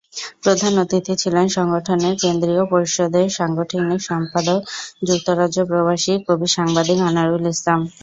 প্রধান অতিথি ছিলেন সংগঠনের কেন্দ্রীয় পর্ষদের সাংগঠনিক সম্পাদক যুক্তরাজ্যপ্রবাসী কবি-সাংবাদিক আনোয়ারুল ইসলাম।